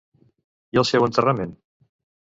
I el seu enterrament?